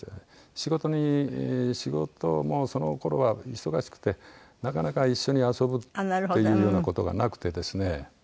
仕事に仕事もその頃は忙しくてなかなか一緒に遊ぶっていうような事がなくてですね。